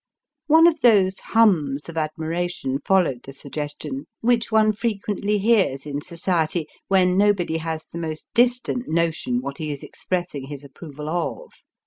One of those hums of admiration followed the suggestion, which one freqently hears in society, when nobody has the most distant notion what he is expressing his approval of.